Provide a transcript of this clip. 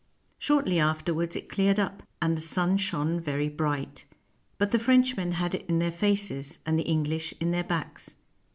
Shortly afterwards it cleared up, and the sun shone very bright; but the Frenchmen had it in their faces, and the English in their backs.